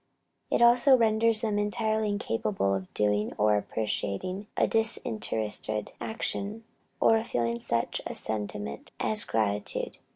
It also renders them entirely incapable of doing or appreciating a disinterested action, or of feeling such a sentiment as gratitude.